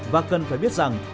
và cần phải biết rằng